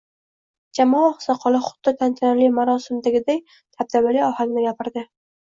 Jamoa oqsoqoli xuddi tantanali marosimdagiday dabdabali ohangda gapirdi.